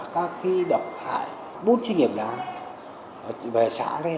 có chiều hướng ngày càng gia tăng